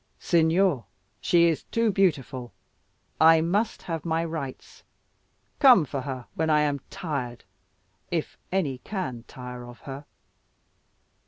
"Signor, she is too beautiful. I must have my rights. Come for her when I am tired, if any can tire of her."